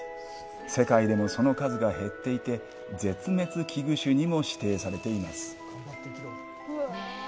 世界でもその数が減っていて絶滅危惧種にも指定されています。